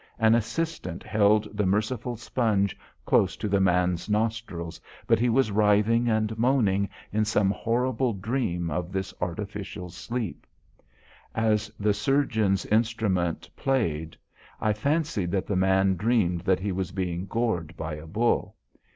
An assistant held the merciful sponge close to the man's nostrils, but he was writhing and moaning in some horrible dream of this artificial sleep. As the surgeon's instrument played, I fancied that the man dreamed that he was being gored by a bull.